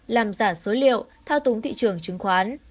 làm giả số liệu thao túng thị trường chứng khoán